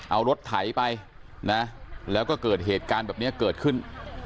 เอารถไถไปนะแล้วก็เกิดเหตุการณ์แบบนี้เกิดขึ้น